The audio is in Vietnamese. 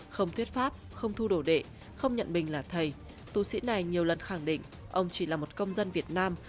không thuyết pháp không thu đồ đệ không nhận mình là thầy tu sĩ này nhiều lần khẳng định ông chỉ là một công dân việt nam